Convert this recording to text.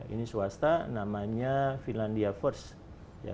ini swasta namanya finlandia first